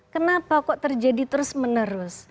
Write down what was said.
kenapa kok terjadi terus menerus